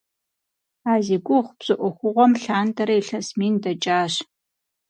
А зи гугъу пщӏы ӏуэхугъуэм лъандэрэ илъэс мин дэкӏащ.